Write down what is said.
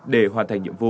để hoàn thành nhiệm vụ